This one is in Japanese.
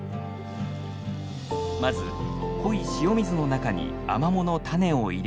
まず濃い塩水の中にアマモの種を入れる。